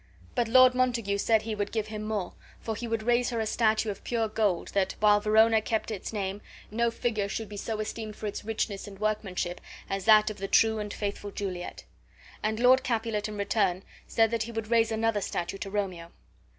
But Lord Montague said he would give him more, for he would raise her a statue of pure gold that, while Verona kept its name, no figure should be so esteemed for its richness and workmanship as that of the true and faithful Juliet. And Lord Capulet in return said that he would raise another statue to Romeo.